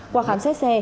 qua khám xét xe